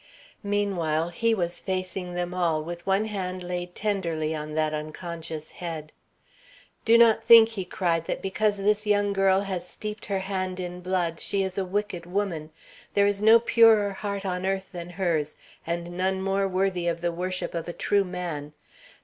Meanwhile, he was facing them all, with one hand laid tenderly on that unconscious head. "Do not think," he cried, "that because this young girl has steeped her hand in blood, she is a wicked woman. There is no purer heart on earth than hers, and none more worthy of the worship of a true man.